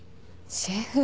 シェフ。